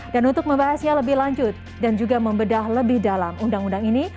untuk membahasnya lebih lanjut dan juga membedah lebih dalam undang undang ini